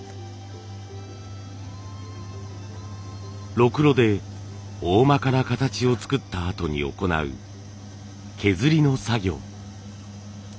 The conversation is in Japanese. ろくろでおおまかな形を作ったあとに行う削りの作業。